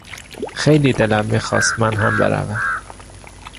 خیلی دلم میخواست من هم بروم.